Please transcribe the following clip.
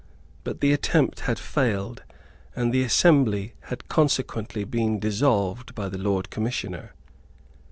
But the attempt had failed; and the Assembly had consequently been dissolved by the Lord Commissioner.